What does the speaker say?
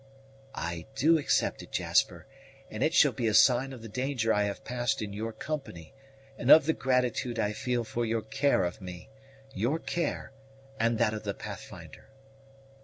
"I do accept it, Jasper; and it shall be a sign of the danger I have passed in your company, and of the gratitude I feel for your care of me your care, and that of the Pathfinder."